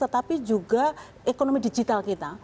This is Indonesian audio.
tetapi juga ekonomi digital kita